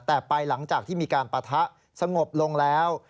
แต่ไปหลังจากที่มีการปะทะสงบลงแล้ว